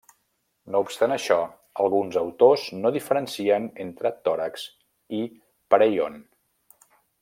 No obstant això, alguns autors no diferencien entre tòrax i perèion.